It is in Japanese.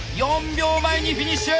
４秒前にフィニッシュ！